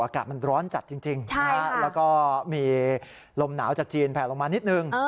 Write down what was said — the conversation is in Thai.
อากาศมันร้อนจัดจริงแล้วก็มีลมหนาวจากจีนแผลลงมานิดนึง